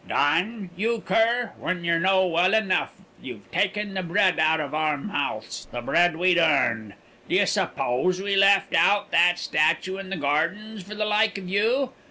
"Done? You cur, when yer know well enough you've taken the bread out of our mouths the bread we'd earned! D'ye suppose we left out that statue in the gardens for the like of you?